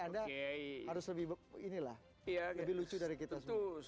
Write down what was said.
anda harus lebih inilah lebih lucu dari kita